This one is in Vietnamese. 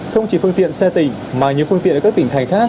không chỉ phương tiện xe tỉnh mà nhiều phương tiện ở các tỉnh thành khác